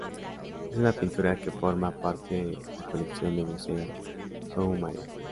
Es una pintura que forma parte de la colección de Museo Soumaya.